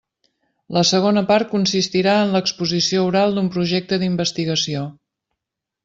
La segona part consistirà en l'exposició oral d'un projecte d'investigació.